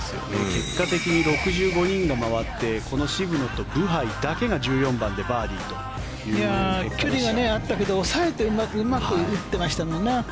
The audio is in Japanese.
結果的に６５人が回ってこの渋野とブハイだけが１４番でバーディーという距離があったけど抑えてうまく打ってましたよね。